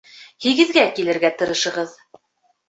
Һигеҙгә килергә тырышығыҙ